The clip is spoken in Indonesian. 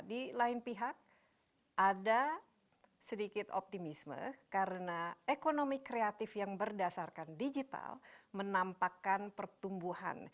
di lain pihak ada sedikit optimisme karena ekonomi kreatif yang berdasarkan digital menampakkan pertumbuhan